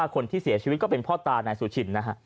คนที่เสียชีวิตก็เป็นพ่อตานายสุชินนะฮะ